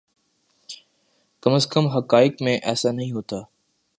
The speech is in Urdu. کم از کم حقائق میں ایسا نہیں ہوتا۔